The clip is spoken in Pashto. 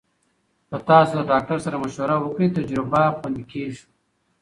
که تاسو د ډاکټر سره مشوره وکړئ، تجربه خوندي کېږي.